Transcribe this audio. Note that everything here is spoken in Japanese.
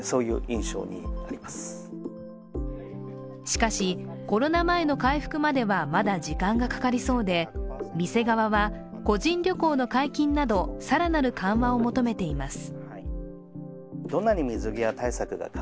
しかし、コロナ前の回復まではまだ時間がかかりそうで、店側は個人旅行の解禁など更なる緩和を求めています。